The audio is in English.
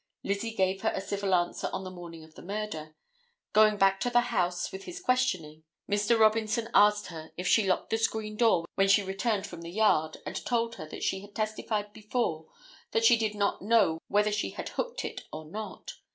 Lizzie gave her a civil answer on the morning of the murder. Going back to the house with his questioning Mr. Robinson asked her if she locked the screen door when she returned from the yard, and told her that she had testified before that she did not know whether she had hooked it or not.